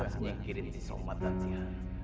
sepertinya gue harus nyekirin si somad dan sia